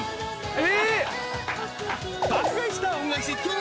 え？